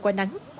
chưa qua nắng